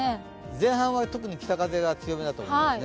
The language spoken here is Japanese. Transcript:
前半は特に北風が強めだと思いますね。